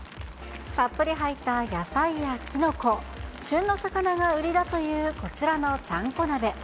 たっぷり入った野菜やキノコ、旬の魚が売りだというこちらのちゃんこ鍋。